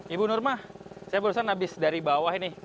ibu nurmah saya barusan habis dari bawah ini